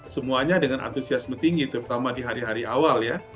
semuanya dengan antusiasme tinggi terutama di hari hari awal ya